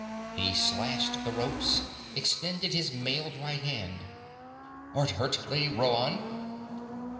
He slashed the ropes, extended his mailed right hand. "Art hurt, Lady Rhoann?"